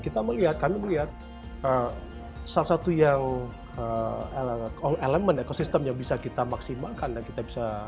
kita melihat kami melihat salah satu yang elemen ekosistem yang bisa kita maksimalkan dan kita bisa